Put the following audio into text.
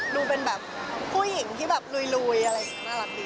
ดูเป็นแบบผู้หญิงที่แบบลุยน่ารักดี